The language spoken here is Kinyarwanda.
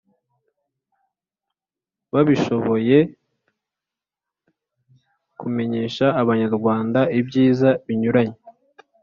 babishoboye kumenyesha abanyarwanda ibyiza binyuranye